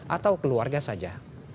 atau keluarga saja